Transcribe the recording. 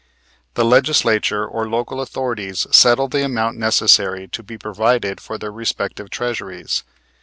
The Legislature or local authorities settle the amount necessary to be provided for their respective treasuries.